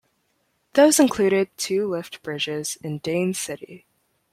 Those included two lift bridges in Dain City.